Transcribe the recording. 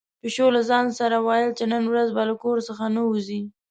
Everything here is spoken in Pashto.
پيشو له ځان سره ویل چې نن ورځ به له کور څخه نه وځي.